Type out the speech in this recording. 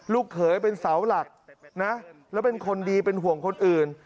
เขยเป็นเสาหลักนะแล้วเป็นคนดีเป็นห่วงคนอื่น